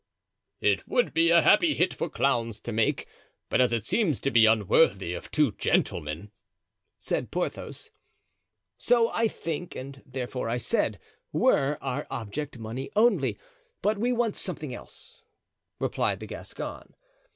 "It would be a happy hit for clowns to make, but as it seems to be unworthy of two gentlemen——" said Porthos. "So I think; and therefore I said, 'Were our object money only;' but we want something else," replied the Gascon.